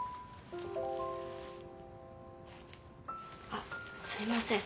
あっすいません。